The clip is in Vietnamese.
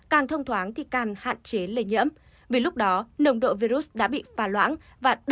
càng thông thoáng thì càng hạn chế lây nhiễm vì lúc đó nồng độ virus đã bị pha loãng và đẩy ra khỏi nhà nhanh chóng